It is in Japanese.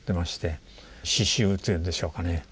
死臭というんでしょうかね。